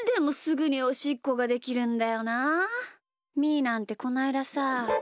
ーなんてこないださ。